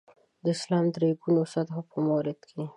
د اسلام د درې ګونو سطحو په مورد کې.